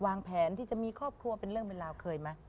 วางแผนที่จะมีครอบครัวเป็นเรื่องเป็นราวเคยไหม